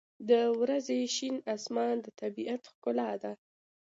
• د ورځې شین آسمان د طبیعت ښکلا ده.